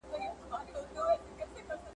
زه اوس د سبا لپاره د هنرونو تمرين کوم!!